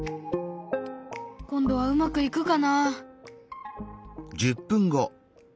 今度はうまくいくかな？